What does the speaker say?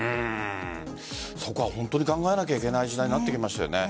そこは本当に考えなければいけない時代になってきますね。